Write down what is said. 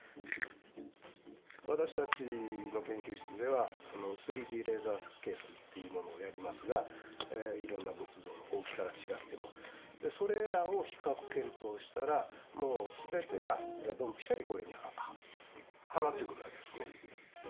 私たちの研究室では３Ｄレーザー計測っていうものをやりますがいろんな仏像の大きさが違ってもそれらを比較検討したらもう全てがドンピシャリこれにはまってくる訳ですね。